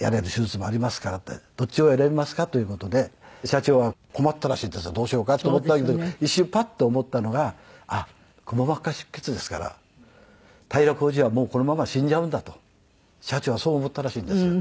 どっちを選びますか？という事で社長は困ったらしいんですねどうしようかと思ったけど一瞬パッと思ったのがあっくも膜下出血ですから平浩二はもうこのまま死んじゃうんだと社長はそう思ったらしいんですよ。